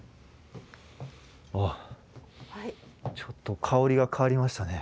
あっちょっと香りが変わりましたね。